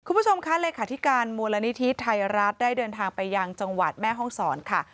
คุณผู้ชมคะเลขาธิการมูลนิธิไทยรัฐได้เดินทางไปยังจังหวัดแม่ห้องศรค่ะ